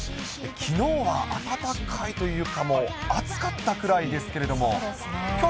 きのうは暖かいというか、もう暑かったくらいですけれども。